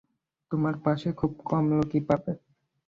তোমার পাশে খুব কম লোকই পাবে।